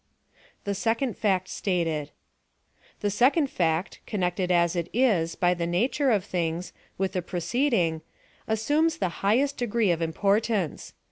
THE SECOND FACT STATED. The second fact, connected as it is, by the nature of things, with the preceding, assumes the highest degree of importance.